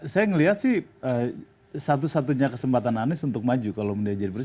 saya melihat sih satu satunya kesempatan anies untuk maju kalau dia jadi presiden